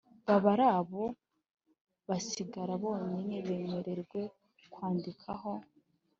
baba aribo basigara bonyine bemerewe kwandikaho